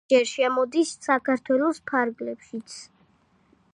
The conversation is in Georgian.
ზოგჯერ შემოდის საქართველოს ფარგლებშიც.